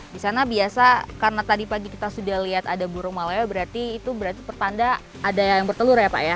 di sana biasa karena tadi pagi kita sudah lihat ada burung maleo berarti itu berarti pertanda ada yang bertelur ya pak ya